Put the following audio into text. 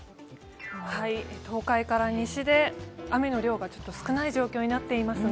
東海から西で雨の量が少ない状況になっていますが